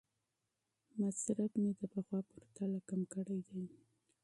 مصرف مې د پخوا په پرتله کم کړی دی.